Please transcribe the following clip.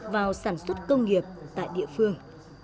vào sản xuất công nghiệp tại địa phương